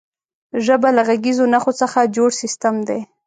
ژبه له غږیزو نښو څخه جوړ سیستم دی.